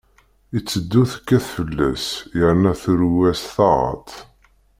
Iteddu tekkat fell-as, yerna turew-as taɣaṭ.